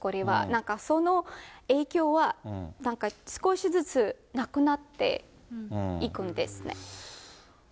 なんかその影響は、少しずつなくなっていくんですね。